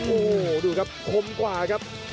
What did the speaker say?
โอ้โหดูครับคมกว่าครับ